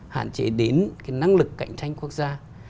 hạn chế đến năng lực cạnh tranh quốc gia